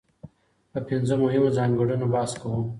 په پنځه مهمو ځانګړنو بحث کوو.